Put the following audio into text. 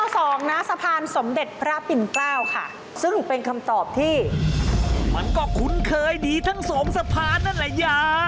สงสะพานนั่นแหละยาย